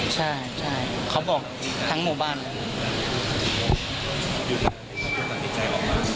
ใช่ใช่เขาบอกทั้งหมู่บ้านเลย